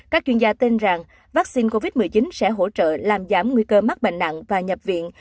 các chuyên gia tin rằng vaccine covid một mươi chín sẽ hỗ trợ làm giảm nguy cơ mắc bệnh nặng và nhập viện